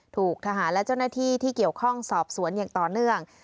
ถูกทหารและเจ้าหน้าที่ที่เกี่ยวข้องสอบสวนอย่างต่อเนื่อง